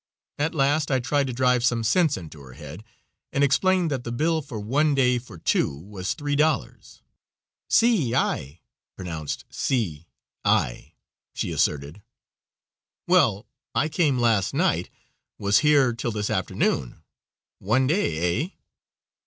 At last I tried to drive some sense into her head, and explained that the bill for one day for two was three dollars. "Si hay" (pronounced "see eye"), she asserted. "Well, I came last night, was here till this afternoon; one day, eh?"